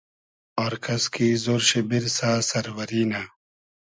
آر کئس کی زۉر شی بیرسۂ سئروئری نۂ